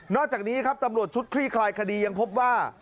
จากนี้ครับตำรวจชุดคลี่คลายคดียังพบว่า